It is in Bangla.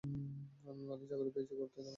আমি মালীর চাকরি পেয়েছি, করতে দাও না?